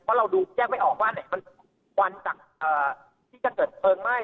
เพราะเราดูแจ้งไม่ออกว่ามันควันจากที่จะเกิดเพลิงไหม้